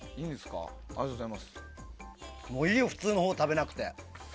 もういいよ、普通のほう食べなくて。